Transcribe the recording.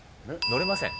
乗れません。